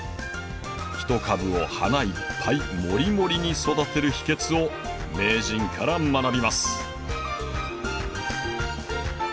ひと株を花いっぱいモリモリに育てる秘けつを名人から学びます。